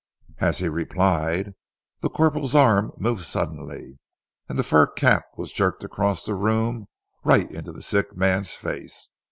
As he replied, the corporal's arm moved suddenly, and the fur cap was jerked across the room right into the sick man's face.